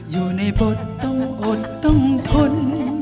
อยู่ในบทต้องอดต้องทน